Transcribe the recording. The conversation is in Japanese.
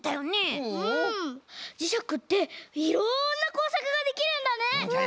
じしゃくっていろんなこうさくができるんだね。